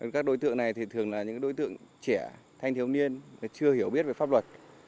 các đối tượng này thường là những đối tượng trẻ thanh thiếu niên chưa hiểu biết về pháp luật